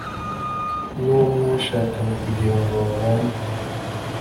n'uwo mwashakanye kugirango babane